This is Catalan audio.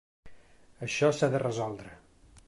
Això s'ha de resoldre.